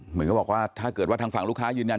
เหมือนกับบอกว่าถ้าเกิดว่าทางฝั่งลูกค้ายืนยัน